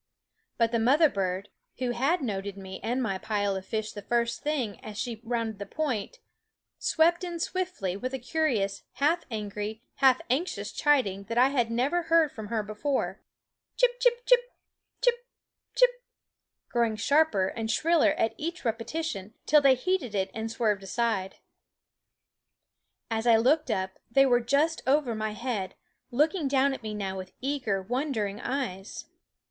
But the mother bird, who had noted me and my pile of fish the first thing as she rounded the point, swept in swiftly with a curious, half angry, half anxious chiding that I had never heard ^> V from her before, Chip chip, chip ^ Chip! Chip! growing sharper and shriller at each repetition, till they heeded it and swerved aside. As I looked up they were just over my head, looking down at me now with eager, wondering eyes.